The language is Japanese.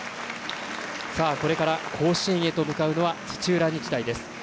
これから甲子園へと向かうのは土浦日大です。